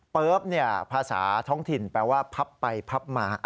ภาษาท้องถิ่นแปลว่าพับไปพับมา